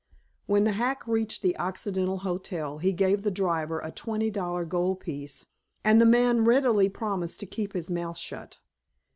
When the hack reached the Occidental Hotel he gave the driver a twenty dollar gold piece and the man readily promised to "keep his mouth shut."